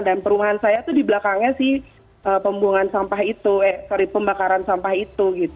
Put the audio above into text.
dan perumahan saya itu di belakangnya sih pembakaran sampah itu